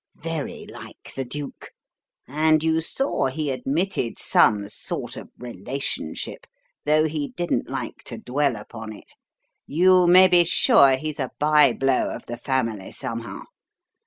"Very like the duke. And you saw he admitted some sort of relationship, though he didn't like to dwell upon it. You may be sure he's a by blow of the family somehow.